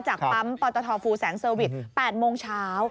จากปั๊มปตทฟูแสงเซอร์วิส๘โมงเช้า